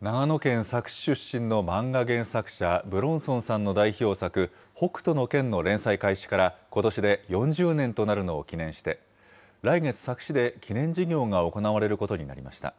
長野県佐久市出身の漫画原作者、武論尊さんの代表作、北斗の拳の連載開始からことしで４０年となるのを記念して、来月、佐久市で記念事業が行われることになりました。